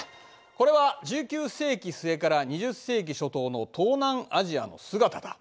これは１９世紀末から２０世紀初頭の東南アジアの姿だ。